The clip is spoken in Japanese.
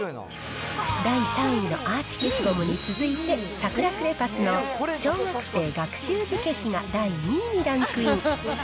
第３位のアーチ消しゴムに続いて、サクラクレパスの小学生学習字消しが第２位にランクイン。